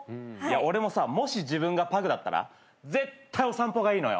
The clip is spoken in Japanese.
俺もさもし自分がパグだったら絶対お散歩がいいのよ。